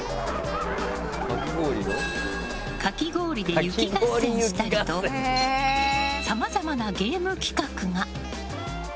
かき氷で雪合戦したりとさまざまなゲーム企画が。